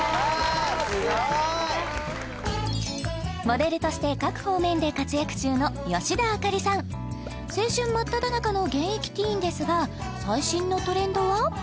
モデルとして各方面で活躍中の吉田あかりさん青春真っただ中の現役ティーンですが最新のトレンドは？